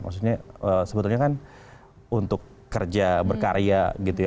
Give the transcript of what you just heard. maksudnya sebetulnya kan untuk kerja berkarya gitu ya